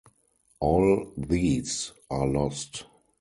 All these are lost.